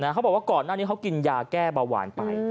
เขาบอกว่าก่อนหน้านี้เขากินยาแก้เบาหวานไป